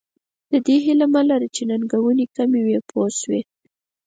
د دې هیله مه لره چې ننګونې کم وي پوه شوې!.